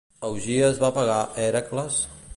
Augies va pagar Hèracles?